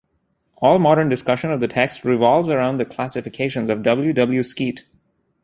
All modern discussion of the text revolves around the classifications of W. W. Skeat.